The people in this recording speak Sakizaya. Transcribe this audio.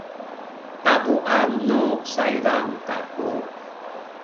tabuan nu saydan kaku